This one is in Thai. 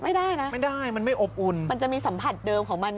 ไม่ได้นะไม่ได้มันไม่อบอุ่นมันจะมีสัมผัสเดิมของมัน